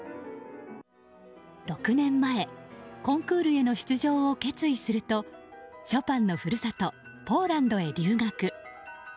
６年前、コンクールへの出場を決意するとショパンの故郷ポーランドへ留学。